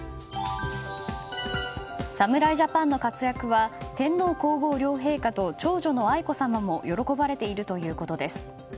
侍ジャパンの活躍は天皇・皇后両陛下と長女の愛子さまも喜ばれているということです。